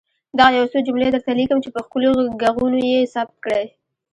دغه يو څو جملې درته ليکم چي په ښکلي ږغونو يې ثبت کړئ.